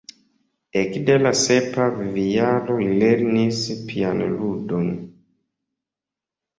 Ekde la sepa vivjaro li lernis pianludon.